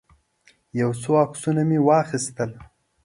یو څو عکسونه مې واخیستل.